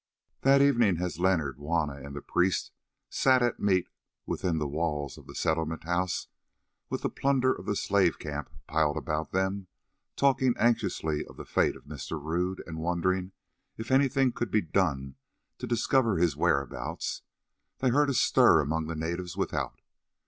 That evening, as Leonard, Juanna, and the priest sat at meat within the walls of the Settlement house, with the plunder of the slave camp piled about them, talking anxiously of the fate of Mr. Rodd and wondering if anything could be done to discover his whereabouts, they heard a stir among the natives without.